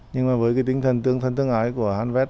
nhưng với tinh thần thân thương ái của hanvet